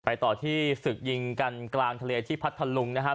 ต่อที่ศึกยิงกันกลางทะเลที่พัทธลุงนะครับ